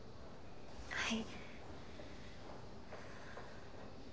はい。